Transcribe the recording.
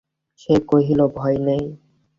সে কহিল, ভয় নেই।